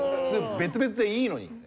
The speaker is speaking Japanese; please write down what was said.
普通別々でいいのに。